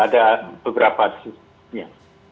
ada beberapa ya